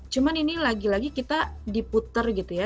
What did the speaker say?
cuma ini lagi lagi kita diputer gitu ya